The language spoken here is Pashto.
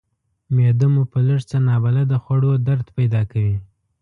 معده مو په لږ څه نابلده خوړو درد پیدا کوي.